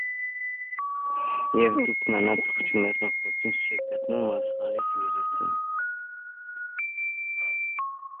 Եվ դուք մնացող, չմեռնող ոչի՞նչ չեք գտնում աշխարհիս երեսին: